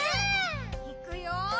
いくよ！